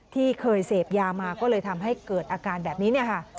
ที่เคยเสพยามาก็เลยทำให้เกิดอาการแบบนี้เนี่ยค่ะ